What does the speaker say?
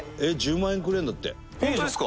１０万円くれるんだって。